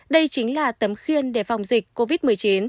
đây chính là tấm khiên để phòng dịch covid một mươi chín